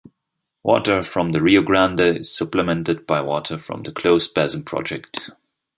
Water from the Rio Grande is supplemented by water from the Closed Basin Project.